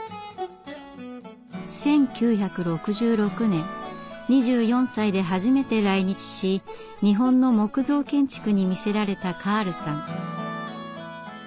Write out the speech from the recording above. １９６６年２４歳で初めて来日し日本の木造建築に魅せられたカールさん。